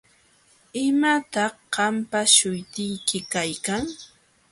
¿Imataq qampa śhutiyki kaykan?